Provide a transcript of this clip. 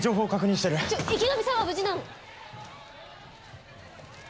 ちょ池上さんは無事なの？